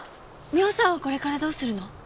美帆さんはこれからどうするの？